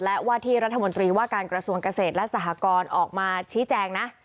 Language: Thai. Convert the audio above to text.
และว่าที่รัฐมนตรีว่าการกระทรวงเกษตรและสหกรณ์ออกมาชี้แจงนะ